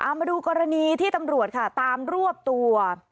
มาดูกรณีที่ตำรวจค่ะตามรวบตัว